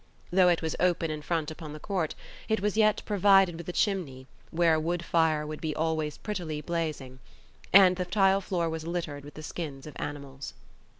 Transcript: Though it was open in front upon the court, it was yet provided with a chimney, where a wood fire would he always prettily blazing; and the tile floor was littered with the skins of animals.